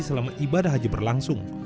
selama ibadah haji berlangsung